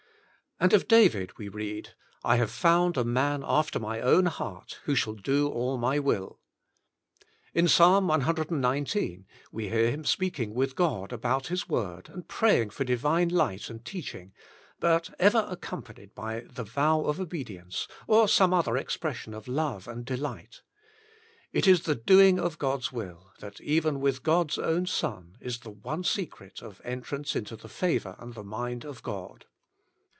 And of David we read: — "I have found a man after mine own heart, who shall do all my will/' In Psalm cxix. we hear him speaking with God about His word, and praying for Divine light and teaching, but ever accompanied by the vow of obedience, or some other expression of love and delight. It is the doing of God's will, that even with God's own Son, is the one secret of entrance into the favour and the mind of God.